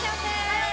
はい！